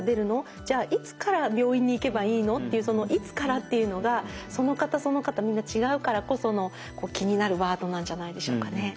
じゃあいつから病院に行けばいいの？っていうその「いつから」っていうのがその方その方みんな違うからこその気になるワードなんじゃないでしょうかね。